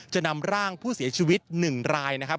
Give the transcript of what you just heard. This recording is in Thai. จะนำร่างผู้เสียชีวิต๑รายนะครับ